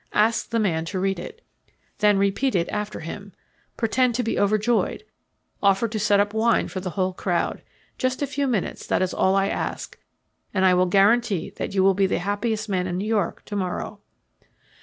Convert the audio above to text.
Ask the man to read it. Then repeat it after him. Pretend to be overjoyed. Offer to set up wine for the whole crowd. Just a few minutes, that is all I ask, and I will guarantee that you will be the happiest man in New York to morrow."